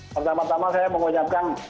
pertama tama saya mengucapkan